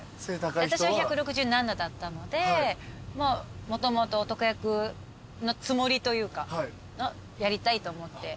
私は１６７だったのでもともと男役のつもりというかやりたいと思って。